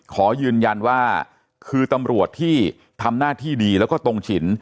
ขอยืนยันว่าคือตำรวจที่ทำหน้าที่ดีแล้วก็ตรงฉิน